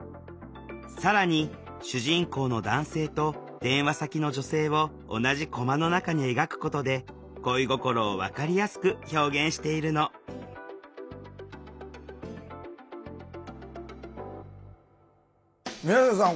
更に主人公の男性と電話先の女性を同じコマの中に描くことで恋心を分かりやすく表現しているの宮下さん